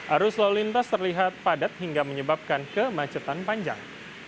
arus lalu lintas terlihat padat hingga menyebabkan kemacetan panjang